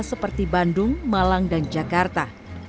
seperti bandung malang dan jakarta